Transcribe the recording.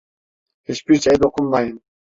Hiçbir şeye dokunmayın!